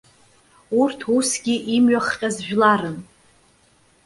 Урҭ усгьы имҩахҟьаз жәларын.